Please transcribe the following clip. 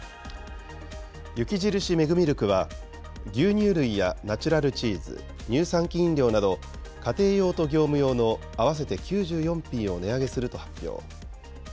雪印メグミルクは、牛乳類やナチュラルチーズ、乳酸菌飲料など、家庭用と業務用の合わせて９４品を値上げすると発表。